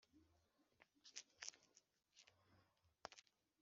Ubwami bwawe nibuze